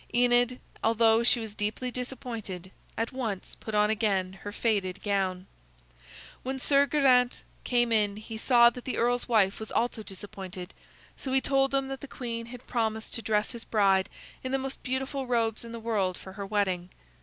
Enid, although she was deeply disappointed, at once put on again her faded gown. When Sir Geraint came in he saw that the earl's wife was also disappointed, so he told them that the queen had promised to dress his bride in the most beautiful robes in the world for her wedding.